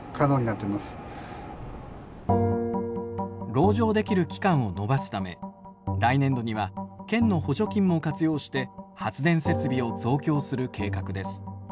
籠城できる期間を延ばすため来年度には県の補助金も活用して発電設備を増強する計画です。